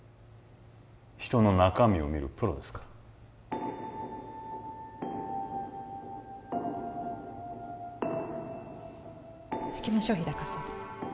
人の中身を見るプロですから行きましょう日高さん